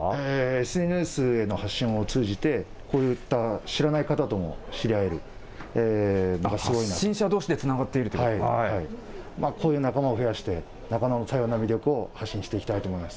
ＳＮＳへの発信を通じて、こういった知らない方とも知り合え発信者どうしでつながっていこういう仲間を増やして、中野の魅力を発信していきたいと思います。